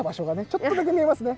ちょっとだけ見えますね。